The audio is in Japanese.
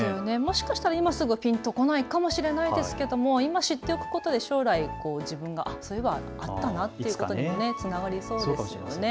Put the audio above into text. もしかしたら今すぐはぴんとこないかもしれませんが今知っておくことで将来、そういえばあったなということにつながりそうですね。